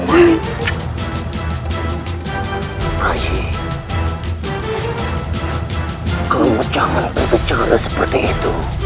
rai kamu jangan bergejala seperti itu